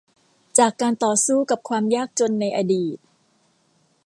จากการต่อสู้กับความยากจนในอดีต